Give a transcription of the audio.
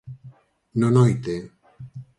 No noite.